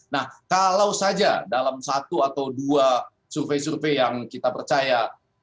nah kalau saja dalam satu atau dua survei survei yang kita percaya